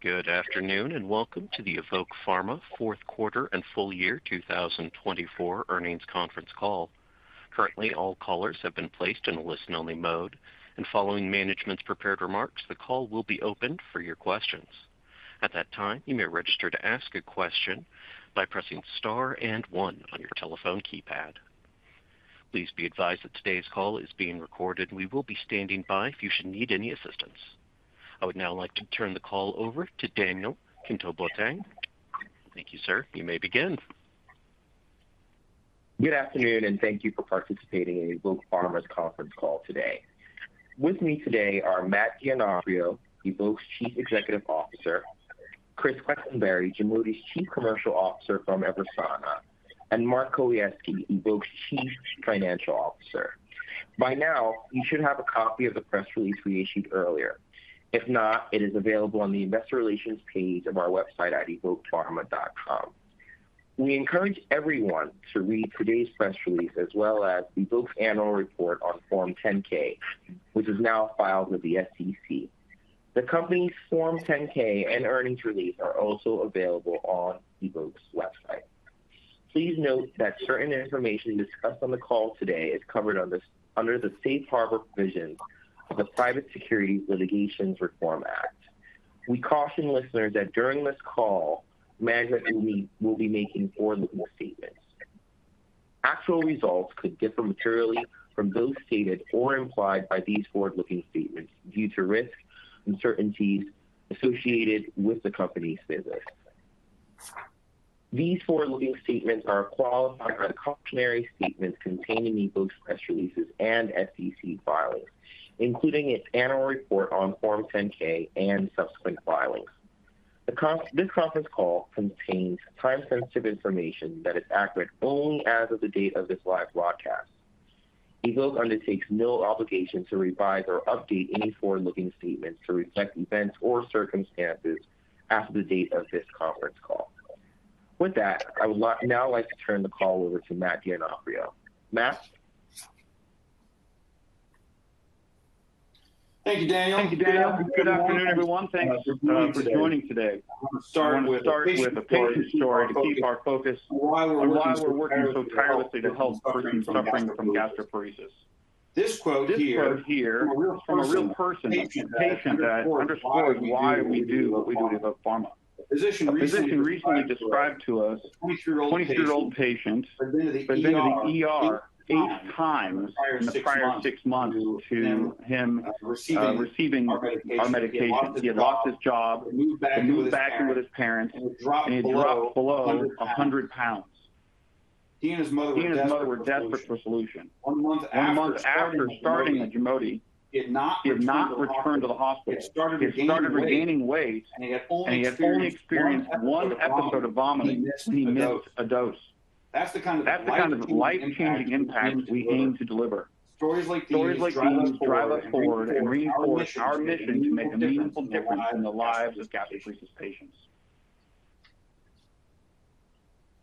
Good afternoon and welcome to the Evoke Pharma fourth quarter and full year 2024 earnings conference call. Currently, all callers have been placed in a listen-only mode, and following management's prepared remarks, the call will be open for your questions. At that time, you may register to ask a question by pressing * and 1 on your telephone keypad. Please be advised that today's call is being recorded, and we will be standing by if you should need any assistance. I would now like to turn the call over to Daniel Kontoh-Boateng. Thank you, sir. You may begin. Good afternoon, and thank you for participating in the Evoke Pharma's conference call today. With me today are Matt D'Onofrio, Evoke's Chief Executive Officer; Chris Quesenberry, GIMOTI's Chief Commercial Officer from EVERSANA; and Mark Kowalski, Evoke's Chief Financial Officer. By now, you should have a copy of the press release we issued earlier. If not, it is available on the Investor Relations page of our website at evokepharma.com. We encourage everyone to read today's press release as well as Evoke's annual report on Form 10-K, which is now filed with the SEC. The company's Form 10-K and earnings release are also available on Evoke's website. Please note that certain information discussed on the call today is covered under the Safe Harbor provisions of the Private Securities Litigation Reform Act. We caution listeners that during this call, management will be making forward-looking statements. Actual results could differ materially from those stated or implied by these forward-looking statements due to risk uncertainties associated with the company's business. These forward-looking statements are qualified by the cautionary statements contained in Evoke's press releases and SEC filings, including its annual report on Form 10-K and subsequent filings. This conference call contains time-sensitive information that is accurate only as of the date of this live broadcast. Evoke undertakes no obligation to revise or update any forward-looking statements to reflect events or circumstances as of the date of this conference call. With that, I would now like to turn the call over to Matt D'Onofrio. Matt? Thank you, Daniel. Thank you, Daniel. Good afternoon, everyone. Thanks for joining today. Start with a patient story to keep our focus on why we're working so tirelessly to help persons suffering from gastroparesis. This quote is from a real person, a patient that underscores why we do what we do at Evoke Pharma. A physician recently described to us a 23-year-old patient who had been to the hospital eight times in the prior six months to him receiving our medication. He had lost his job, moved back in with his parents, and he dropped below 100 pounds. He and his mother were desperate for a solution. One month after starting GIMOTI, he did not return to the hospital. He started regaining weight, and he had only experienced one episode of vomiting since he missed a dose. That's the kind of life-changing impACG we aim to deliver. Stories like these drive us forward and reinforce our mission to make a meaningful difference in the lives of gastroparesis patients.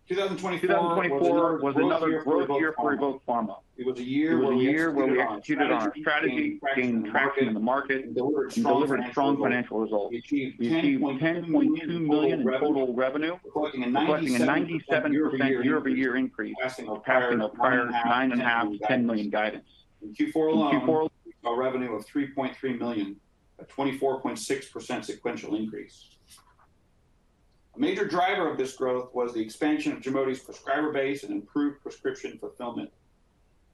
2024 was another growth year for Evoke Pharma. It was a year where we executed on our strategy, gained traction in the market, and delivered strong financial results. We achieved $10.2 million in total revenue, reflecting a 97% year-over-year increase compared to the prior $9.5-$10 million guidance. In Q4 alone, our revenue was $3.3 million, a 24.6% sequential increase. A major driver of this growth was the expansion of GIMOTI's prescriber base and improved prescription fulfillment.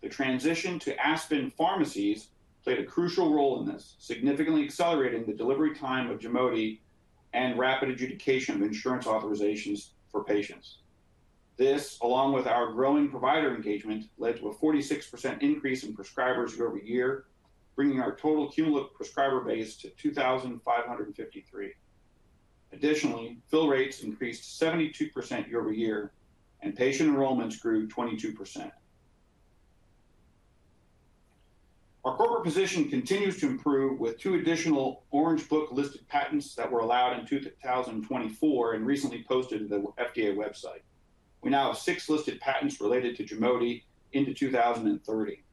The transition to Aspen Pharmacies played a crucial role in this, significantly accelerating the delivery time of GIMOTI and rapid adjudication of insurance authorizations for patients. This, along with our growing provider engagement, led to a 46% increase in prescribers year-over-year, bringing our total cumulative prescriber base to 2,553. Additionally, fill rates increased 72% year-over-year, and patient enrollments grew 22%. Our corporate position continues to improve with two additional Orange Book-listed patents that were allowed in 2024 and recently posted to the FDA website. We now have six listed patents related to GIMOTI into 2030.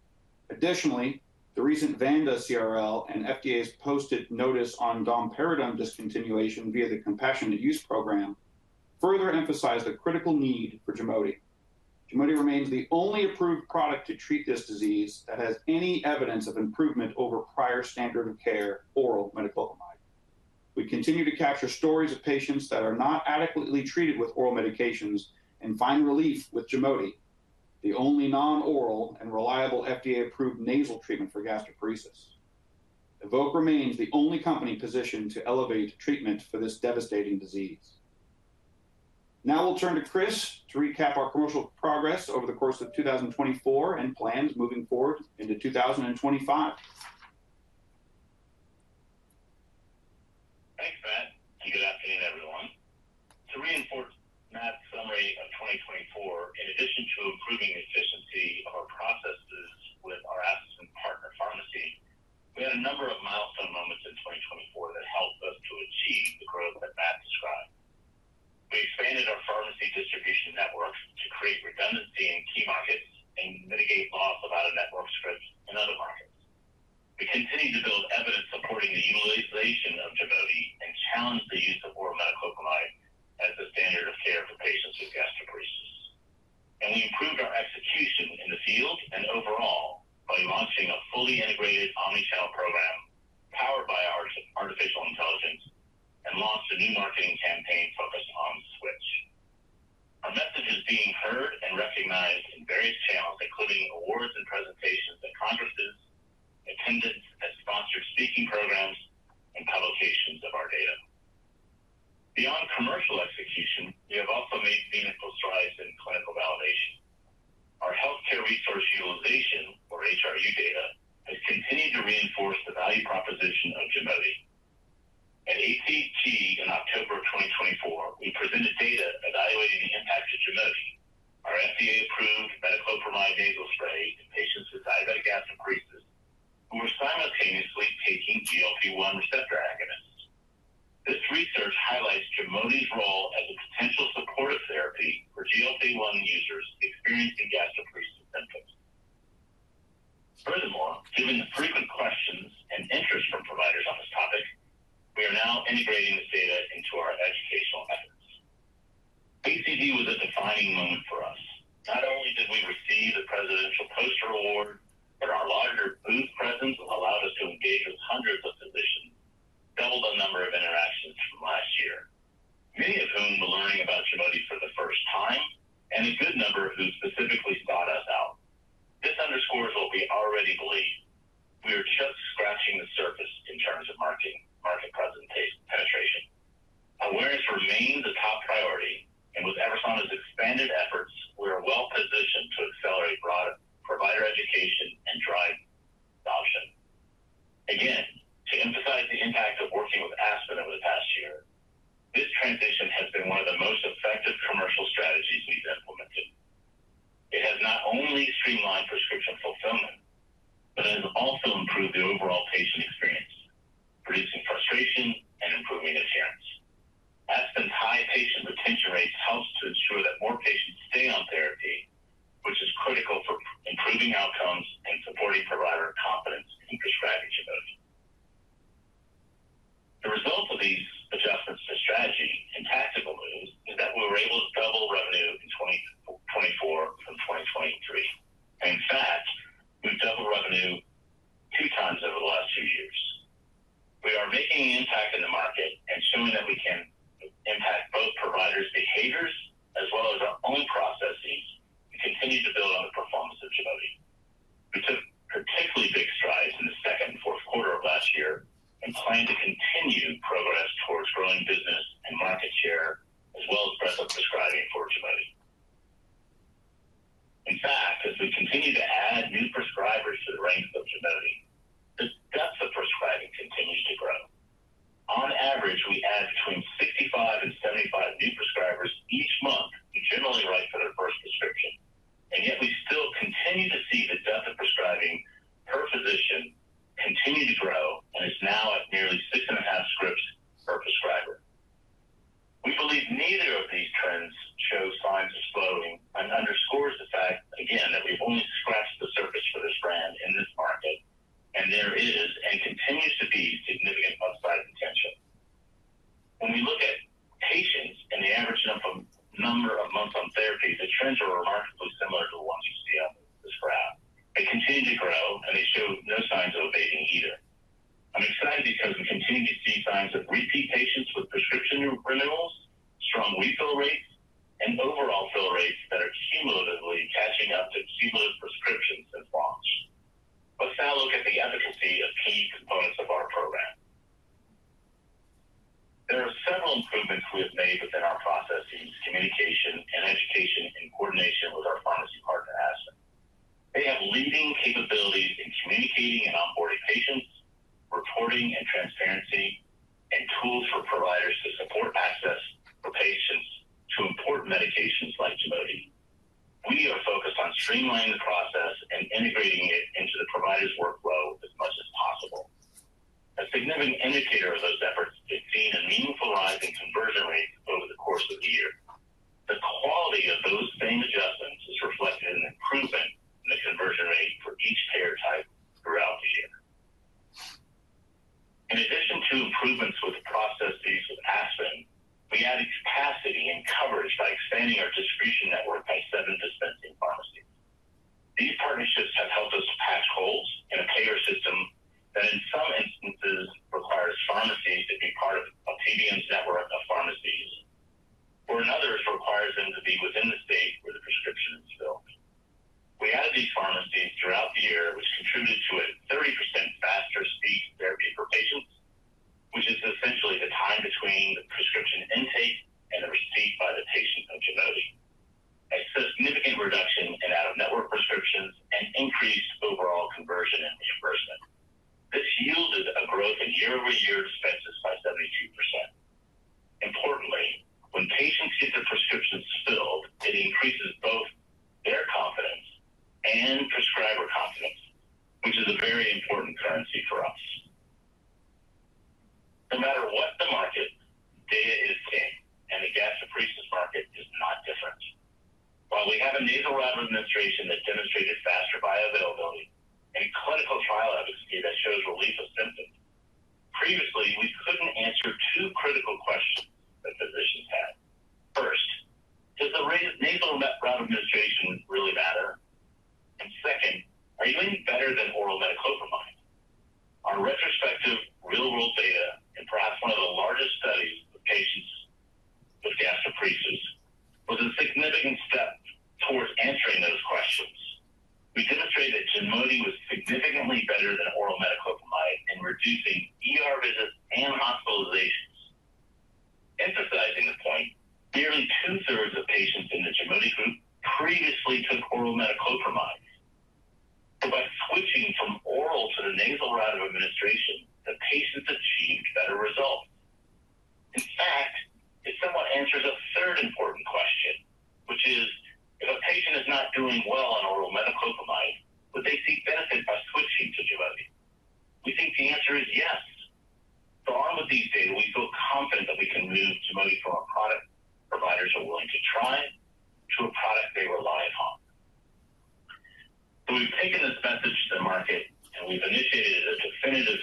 Additionally, the recent Vanda CRL and FDA's posted notice on domperidone discontinuation via the compassionate use program further emphasized the critical need for GIMOTI. GIMOTI remains the only approved product to treat this disease that has any evidence of improvement over prior standard of care oral metoclopramide. We continue to capture stories of patients that are not adequately treated with oral medications and find relief with GIMOTI, the only non-oral and reliable FDA-approved nasal treatment for gastroparesis. Evoke remains the only company positioned to elevate treatment for this devastating disease. Now we'll turn to Chris to recap our commercial progress over the course of 2024 and plans moving forward into 2025. Thanks, Matt. Good afternoon, everyone. To reinforce Matt's summary of 2024, in addition to improving the efficiency of our processes with our Aspen partner pharmacy, we had a number of milestone moments in 2024 that helped us to achieve the growth that Matt described. We expanded our pharmacy distribution network to create redundancy in key markets and mitigate loss of out-of-network scripts in other markets. We continue to build evidence supporting the utilization of GIMOTI and challenge the use of oral metoclopramide as the standard of care for patients with gastroparesis. We improved our execution in the field and overall by launching a fully integrated omnichannel program powered by artificial intelligence and launched a new marketing campaign focused on switch. Our message is being heard and recognized in various channels, including awards and presentations at conferences, attendance at sponsored speaking programs, and publications of our data. Beyond commercial execution, we have also made meaningful strides in clinical validation. Our healthcare resource utilization, or HRU data, has continued to reinforce the value proposition of GIMOTI. At ACG in October of 2024, we presented data evaluating the This yielded a growth in year-over-year expenses by 72%. Importantly, when patients get their prescriptions filled, it increases both their confidence and prescriber confidence, which is a very important currency for us. No matter what the market, data is king, and the gastroparesis market is not different. While we have a nasal route administration that demonstrated faster viability and clinical trial efficacy that shows relief of symptoms, previously, we couldn't answer two critical questions that physicians had. First, does the nasal route administration really matter? Second, are you any better than oral metoclopramide? Our retrospective real-world data and perhaps one of the largest studies of patients with gastroparesis was a significant step towards answering those questions. We demonstrated that GIMOTI was significantly better than oral metoclopramide in reducing visits and hospitalizations. Emphasizing the point, nearly two-thirds of patients in the GIMOTI group previously took oral metoclopramide. By switching from oral to the nasal route of administration, the patients achieved better results. In fact, it somewhat answers a third important question, which is, if a patient is not doing well on oral metoclopramide, would they see benefit by switching to GIMOTI? We think the answer is yes. With these data, we feel confident that we can move GIMOTI from a product providers are willing to try to a product they rely upon. We have taken this message to the market, and we have initiated a definitive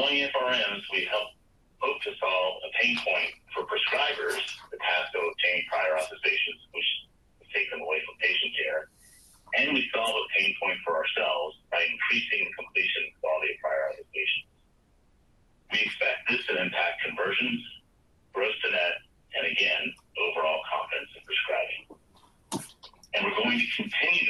of selling. By deploying FRMs, we hope to solve a pain point for prescribers, the task of obtaining prior authorizations, which will take them away from patient care. We solve a pain point for ourselves by increasing the completion quality of prior authorizations. We expect this to impact conversions, gross to net, and again, overall confidence in prescribing. We are going to continue to invest in evidence generation and education to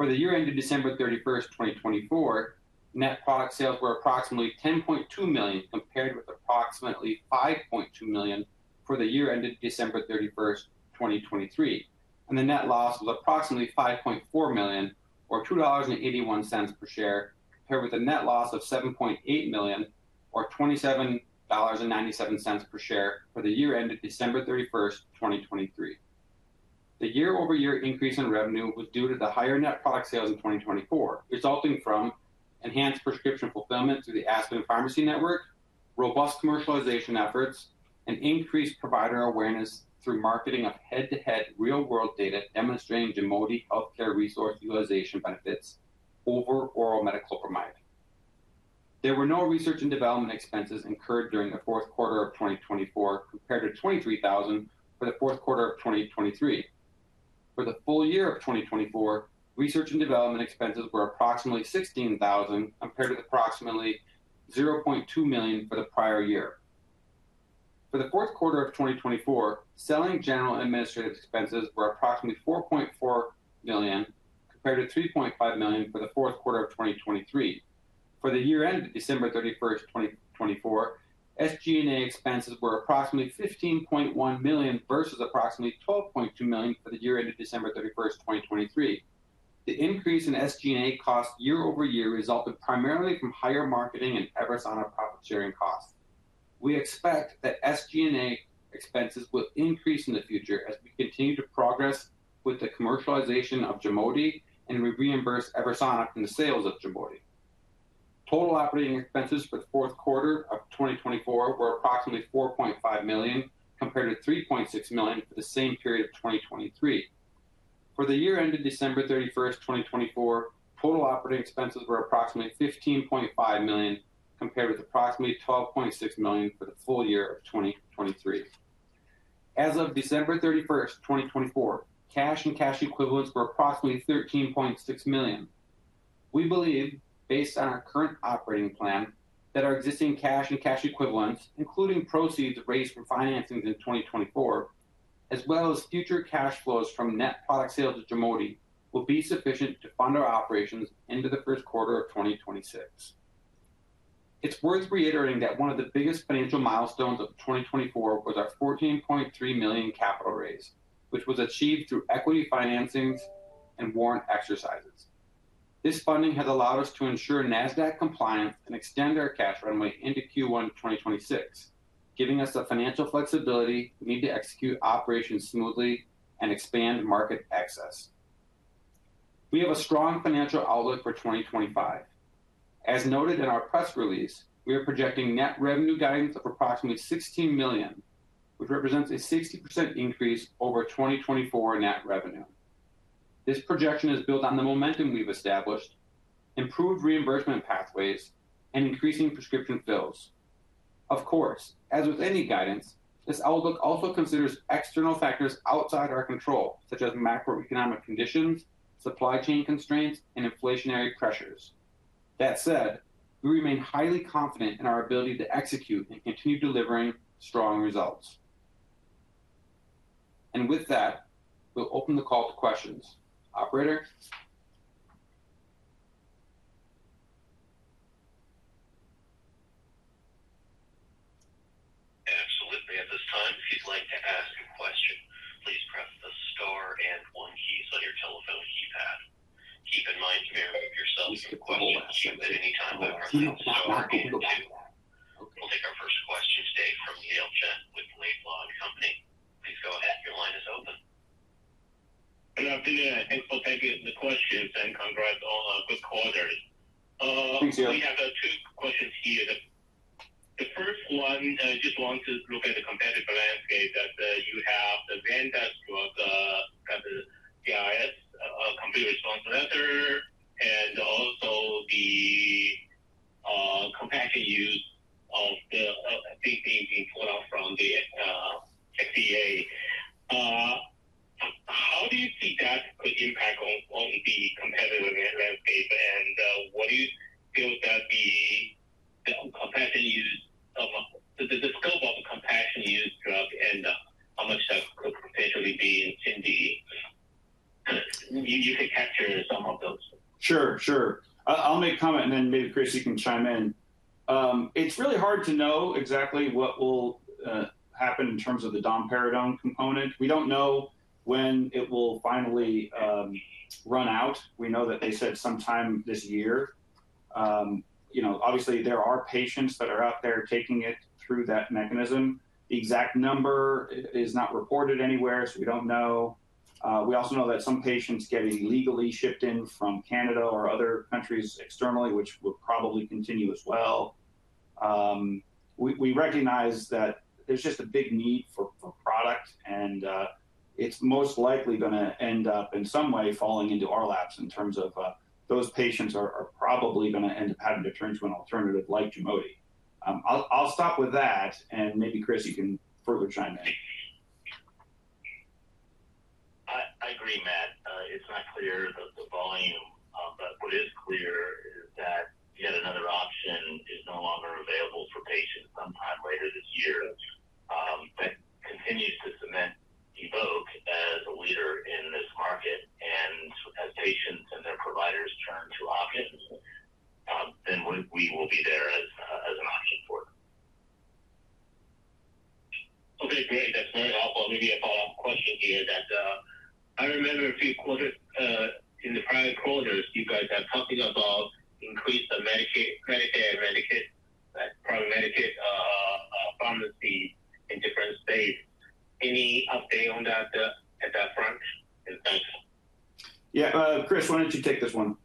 For the year ended December 31, 2024, net product sales were approximately $10.2 million compared with approximately $5.2 million for the year ended December 31, 2023. The net loss was approximately $5.4 million, or $2.81 per share, compared with a net loss of $7.8 million, or $27.97 per share for the year ended December 31, 2023. The year-over-year increase in revenue was due to the higher net product sales in 2024, resulting from enhanced prescription fulfillment through the Aspen Pharmacies network, robust commercialization efforts, and increased provider awareness through marketing of head-to-head real-world data demonstrating GIMOTI healthcare resource utilization benefits over oral metoclopramide. There were no research and development expenses incurred during the fourth quarter of 2024 compared to $23,000 for the fourth quarter of 2023. For the full year of 2024, research and development expenses were approximately $16,000 compared with approximately $0.2 million for the prior year. For the fourth quarter of 2024, selling general administrative expenses were approximately $4.4 million compared with $3.5 million for the fourth quarter of 2023. For the year-ended December 31, 2024, SG&A expenses were approximately $15.1 million versus approximately $12.2 million for the year-ended December 31, 2023. The increase in SG&A cost year-over-year resulted primarily from higher marketing and EVERSANA profit-sharing costs. We expect that SG&A expenses will increase in the future as we continue to progress with the commercialization of GIMOTI and reimburse EVERSANA from the sales of GIMOTI. Total operating expenses for the fourth quarter of 2024 were approximately $4.5 million compared with $3.6 million for the same period of 2023. For the year-ended December 31, 2024, total operating expenses were approximately $15.5 million compared with approximately $12.6 million for the full year of 2023. As of December 31, 2024, cash and cash equivalents were approximately $13.6 million. We believe, based on our current operating plan, that our existing cash and cash equivalents, including proceeds raised from financings in 2024, as well as future cash flows from net product sales to GIMOTI, will be sufficient to fund our operations into the first quarter of 2026. It's worth reiterating that one of the biggest financial milestones of 2024 was our $14.3 million capital raise, which was achieved through equity financings and warrant exercises. This funding has allowed us to ensure NASDAQ compliance and extend our cash runway into Q1 2026, giving us the financial flexibility we need to execute operations smoothly and expand market access. We have a strong financial outlook for 2025. As noted in our press release, we are projecting net revenue guidance of approximately $16 million, which represents a 60% increase over 2024 net revenue. This projection is built on the momentum we've established, improved reimbursement pathways, and increasing prescription fills. Of course, as with any guidance, this outlook also considers external factors outside our control, such as macroeconomic conditions, supply chain constraints, and inflationary pressures. That said, we remain highly confident in our ability to execute and continue delivering strong results. With that, we'll open the call to questions. Operator? Absolutely. At this time, if you'd like to ask a question, please press the * and 1 keys on your telephone keypad. Keep in mind, you may remove yourself from the question at any time by We also know that some patients get illegally shipped in from Canada or other countries externally, which will probably continue as well. We recognize that there's just a big need for product, and it's most likely going to end up in some way falling into our laps in terms of those patients are probably going to end up having to turn to an alternative like GIMOTI. I'll stop with that, and maybe Chris, you can further chime in. I agree, Matt. It's not clear the volume, but what is clear is that yet another option is no longer available for patients sometime later this year. That continues to cement Evoke as a leader in this market. As patients and their providers turn to options, we will be there as an option for them. Okay. Great. That's very helpful. Maybe a follow-up question here that I remember a few quarters in the prior quarters, you guys have talked about increased Medicaid and Medicaid, probably Medicaid pharmacy in different states. Any update on that at that front? Yeah. Chris, why don't you take this one?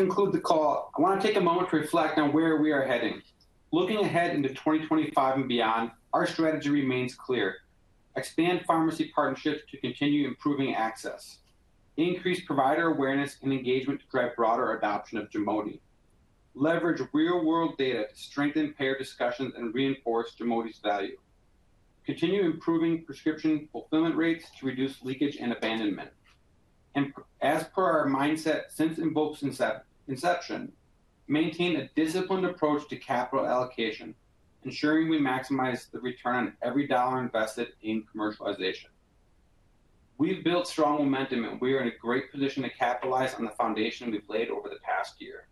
1 keys on your telephone keypad. We can pause for a moment to allow any further questions to queue. There are no further questions on the line at this time. This concludes the Q&A portion for today's call. I would now like to turn the call back over to Matt D'Onofrio for any additional or closing remarks. Sure. Hey, before we conclude the call, I want to take a moment to reflect on where we are heading. Looking ahead into 2025 and beyond, our strategy remains clear. Expand pharmacy partnerships to continue improving access. Increase provider awareness and engagement to drive broader adoption of GIMOTI. Leverage real-world data to strengthen payer discussions and reinforce GIMOTI's value. Continue improving prescription fulfillment rates to reduce leakage and abandonment. As per our mindset since Evoke's inception, maintain a disciplined approach to capital allocation, ensuring we maximize the return on every dollar invested in commercialization. We've built strong momentum, and we are in a great position to capitalize on the foundation we've laid over the past year.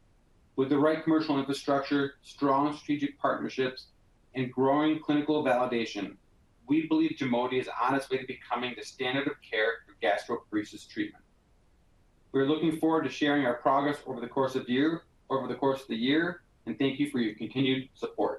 With the right commercial infrastructure, strong strategic partnerships, and growing clinical validation, we believe GIMOTI is on its way to becoming the standard of care for gastroparesis treatment. We are looking forward to sharing our progress over the course of the year, and thank you for your continued support.